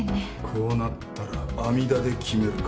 こうなったらあみだで決めるか。